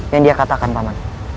yang dia katakan paman